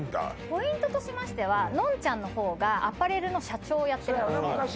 ポイントとしましてはのんちゃんの方がアパレルの社長をやってるんですね